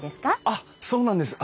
あっそうなんです。